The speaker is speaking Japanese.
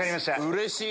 うれしい！